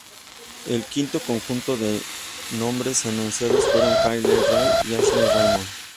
El quinto conjunto de nombres anunciados fueron Kay Lee Ray y Ayesha Raymond.